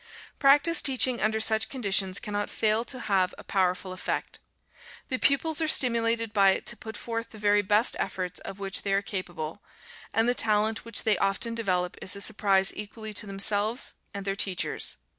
Practice teaching under such conditions cannot fail to have a powerful effect. The pupils are stimulated by it to put forth the very best efforts of which they are capable, and the talent which they often develop is a surprise equally to themselves and their teachers.